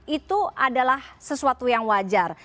itu adalah sesuatu yang wajar